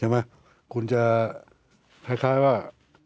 ไหมคุณจะคล้ายว่า